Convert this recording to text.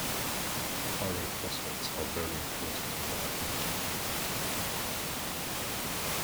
Pyrophosphates are very important in biochemistry.